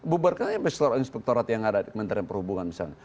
bubarkan investor inspektorat yang ada di kementerian perhubungan misalnya